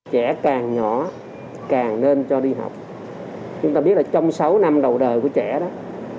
trẻ càng nhỏ càng nên cho đi học chúng ta biết là trong sáu năm đầu đời của trẻ đó